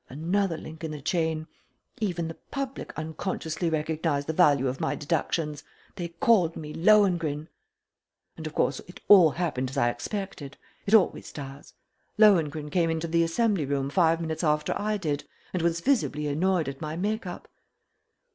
Another link in the chain! EVEN THE PUBLIC UNCONSCIOUSLY RECOGNIZED THE VALUE OF MY DEDUCTIONS. THEY CALLED ME LOHENGRIN! And of course it all happened as I expected. It always does. Lohengrin came into the assembly room five minutes after I did and was visibly annoyed at my make up.